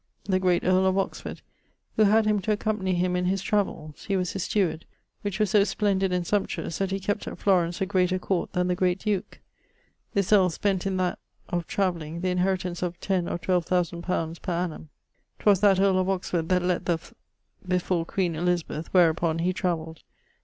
[LXXXVIII.] the great earle of Oxford, who had him to accompanie him in his travells (he was his steward), which were so splendid and sumptuous, that he kept at Florence a greater court then the Great Duke. This earle spent in that ... of travelling, the inheritance of ten or twelve thousand pounds per annum. [LXXXVIII.] 'Twas that earle of Oxford that lett the f before queen Elizabeth: wherupon he travelled.